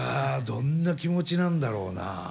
どんな気持ちなんだろうなあ。